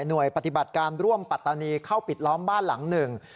ปฏิบัติการร่วมปัตตานีเข้าปิดล้อมบ้านหลังหนึ่ง